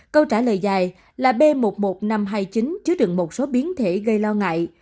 câu trả lời dài là b một mươi một nghìn năm trăm hai mươi chín chứa đựng một số biến thể gây lo ngại